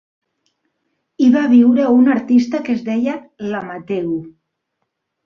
Hi va viure una artista que es deia La Mateu.